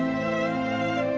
saya udah nggak peduli